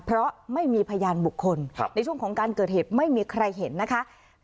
เพราะไม่มีพยานบุคคลในช่วงของการเกิดเหตุไม่มีใครเห็นนะคะ